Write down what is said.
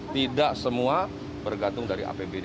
tidak semua bergantung dari apbd